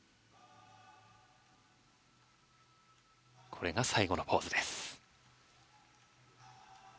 これが最後のポーズです。